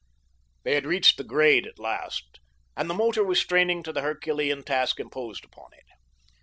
They had reached the grade at last, and the motor was straining to the Herculean task imposed upon it.